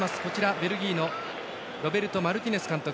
ベルギーのロベルト・マルティネス監督。